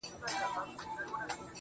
دا ماده ډېر تیز او بد بوی لري